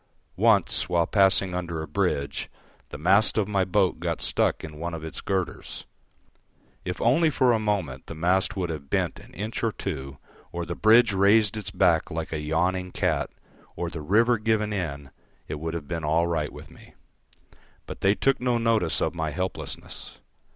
Once, while passing under a bridge, the mast of my boat got stuck in one of its girders. If only for a moment the mast would have bent an inch or two, or the bridge raised its back like a yawning cat, or the river given in, it would have been all right with me. But they took no notice of my helplessness.